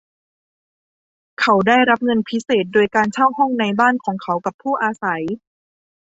เขาได้รับเงินพิเศษโดยการเช่าห้องในบ้านของเขากับผู้อาศัย